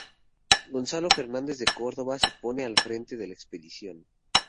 Gonzalo Fernández de Córdoba se pone al frente de la expedición.